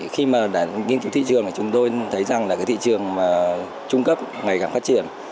khi mà để nghiên cứu thị trường thì chúng tôi thấy rằng là cái thị trường trung cấp ngày càng phát triển